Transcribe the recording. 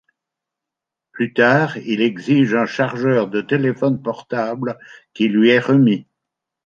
Plus tard, il exige un chargeur de téléphone portable qui lui est remis.